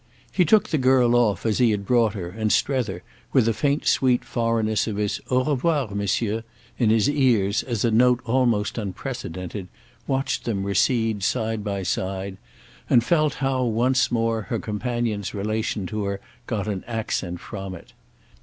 He took the girl off as he had brought her, and Strether, with the faint sweet foreignness of her "Au revoir, monsieur!" in his ears as a note almost unprecedented, watched them recede side by side and felt how, once more, her companion's relation to her got an accent from it.